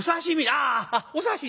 「ああっお刺身。